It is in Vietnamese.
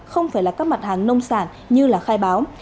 hàng nông sản như là khai báo